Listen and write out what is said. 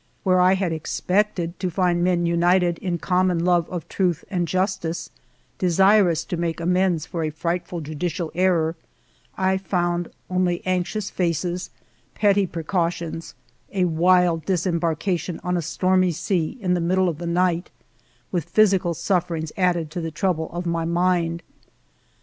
Where I had expected to find men united in common love of truth and justice, de sirous to make amends for a frightful judicial error, I found only anxious faces, petty precau tions, a wild disembarkation on a stormy sea in the middle of the night, with physical sufferings added to the trouble of my mind.